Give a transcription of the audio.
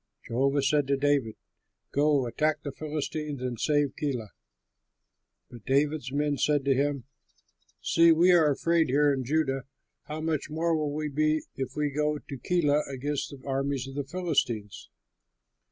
Jehovah said to David, "Go, attack the Philistines and save Keilah." But David's men said to him, "See, we are afraid here in Judah; how much more will we be if we go to Keilah against the armies of the Philistines?"